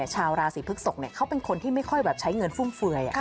ชาวราศีพฤกษกเขาเป็นคนที่ไม่ค่อยใช้เงินฟุ่มเฟือย